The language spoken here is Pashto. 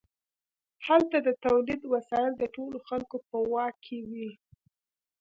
هلته د تولید وسایل د ټولو خلکو په واک کې وي.